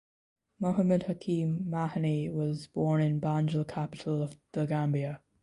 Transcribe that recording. Muhammed Hakeem Mahoney was born in Banjul Capital of The Gambia.